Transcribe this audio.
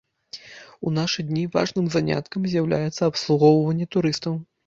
У нашы дні важным заняткам з'яўляецца абслугоўванне турыстаў.